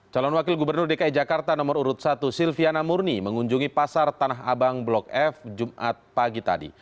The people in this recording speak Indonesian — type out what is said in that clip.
calon wakil gubernur dki jakarta nomor urut satu silviana murni mengunjungi pasar tanah abang blok f jumat pagi tadi